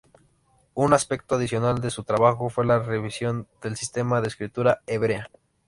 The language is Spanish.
Un aspecto adicional de su trabajo fue la revisión del sistema de escritura hebrea.